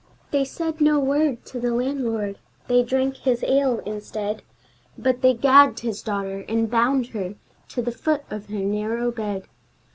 They said no word to the landlord; they drank his ale instead, But they gagged his daughter and bound her to the foot of her narrow bed.